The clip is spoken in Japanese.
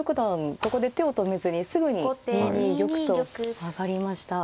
ここで手を止めずにすぐに２二玉と上がりました。